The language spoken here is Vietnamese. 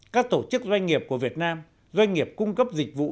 các tổ chức doanh nghiệp của việt nam doanh nghiệp cung cấp dịch vụ